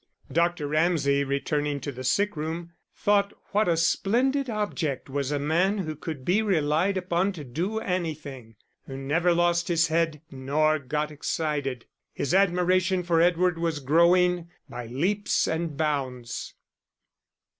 Dr. Ramsay, returning to the sick room, thought what a splendid object was a man who could be relied upon to do anything, who never lost his head nor got excited. His admiration for Edward was growing by leaps and bounds.